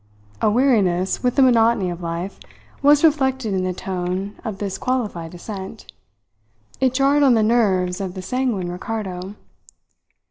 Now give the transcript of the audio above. A weariness with the monotony of life was reflected in the tone of this qualified assent. It jarred on the nerves of the sanguine Ricardo.